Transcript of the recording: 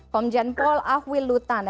komjen paul ahwil lutan